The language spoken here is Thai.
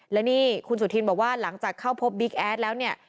และนี่คุณสุธินบอกว่าหลังจากเข้าพบบิ๊กแอดแล้วเนี่ย